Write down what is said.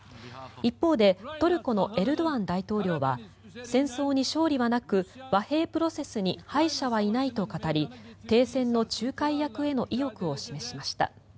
一方でトルコのエルドアン大統領は戦勝に勝利はなく和平プロセスに敗者はいないと語り停戦の仲介役への意欲を示しました。